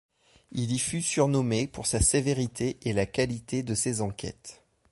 Il y fut surnommé pour sa sévérité et la qualité de ses enquêtes.